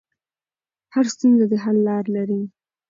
هر ستونزه د حل لار لري.